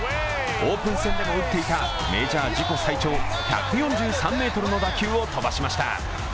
オープン戦でも打っていたメジャー自己最長１４３ｍの打球を飛ばしました。